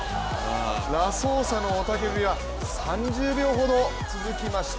ラソーサの雄たけびは３０秒ほど続きました。